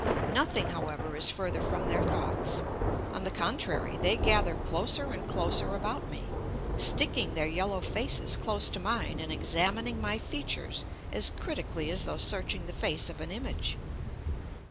Nothing, however, is further from their thoughts; on the contrary, they gather closer and closer about me, sticking their yellow faces close to mine and examining my features as critically as though searching the face of an image.